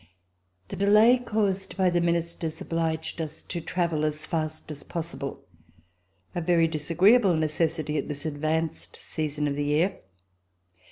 The delay caused by the Ministers obliged us to travel as fast as possible — a very disagreeable ne cessity at this advanced season of the year.